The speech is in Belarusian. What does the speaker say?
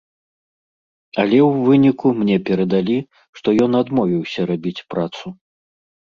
Але ў выніку мне перадалі, што ён адмовіўся рабіць працу.